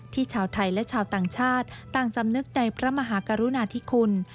ชาวไทยและชาวต่างชาติต่างสำนึกในพระมหากรุณาธิคุณ